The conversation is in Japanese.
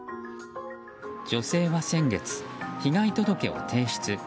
女性は先月、被害届を提出。